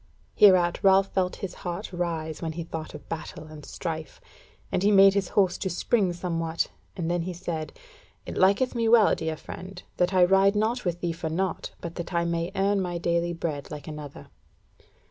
Hereat Ralph felt his heart rise, when he thought of battle and strife, and he made his horse to spring somewhat, and then he said: "It liketh me well, dear friend, that I ride not with thee for naught, but that I may earn my daily bread like another."